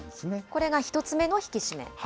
これが１つ目の引き締め。